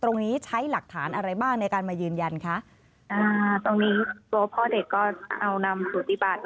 ตรงนี้ใช้หลักฐานอะไรบ้างในการมายืนยันคะอ่าตรงนี้ตัวพ่อเด็กก็เอานำสุติบัติ